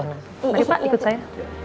mari pak ikut saya